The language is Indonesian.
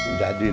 nggak jadi nih